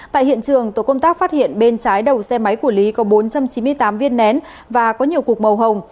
tại hiện trường tổ công tác phát hiện bên trái đầu xe máy của lý có bốn trăm chín mươi tám viên nén và có nhiều cục màu hồng